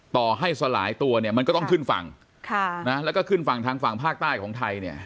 ต่อให้สลายตัวเนี่ยมันก็ต้องขึ้นฝั่งแล้วก็ขึ้นฝั่งทางฝั่งภาคใต้ของไทยเนี่ย